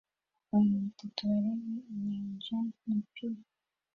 Abantu batatu bareba inyanja na pir